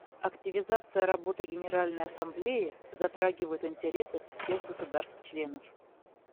Активизация работы Генеральной Ассамблеи затрагивает интересы всех государств-членов.